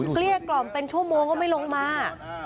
เกลี้ยกล่อมเป็นชั่วโมงก็ไม่ลงมา